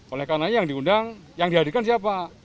oleh karenanya yang diundang yang dihadirkan siapa